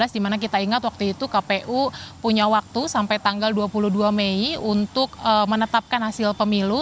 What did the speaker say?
dimana kita ingat waktu itu kpu punya waktu sampai tanggal dua puluh dua mei untuk menetapkan hasil pemilu